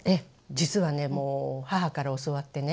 実はねもう母から教わってね。